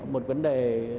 một vấn đề